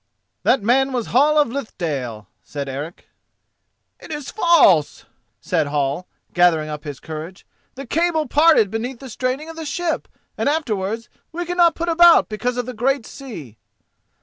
"That man was Hall of Lithdale," said Eric. "It is false!" said Hall, gathering up his courage; "the cable parted beneath the straining of the ship, and afterwards we could not put about because of the great sea."